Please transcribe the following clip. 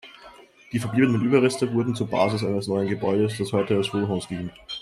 Die verbliebenen Überreste wurden zur Basis eines neuen Gebäudes, das heute als Wohnhaus dient.